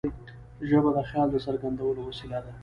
ژبه د خیال د څرګندولو وسیله ده.